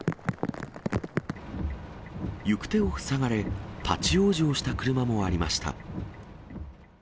行く手を塞がれ、立往生した車もありました。